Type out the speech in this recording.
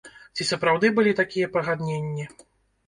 Ці сапраўды былі такія пагадненні?